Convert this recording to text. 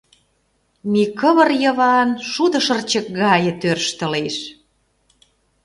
Микывыр Йыван шудышырчык гае тӧрштылеш.